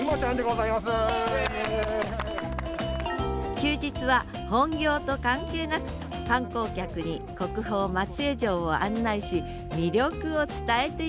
休日は本業と関係なく観光客に国宝・松江城を案内し魅力を伝えています